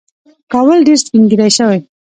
کابل ډېر سپین ږیری شوی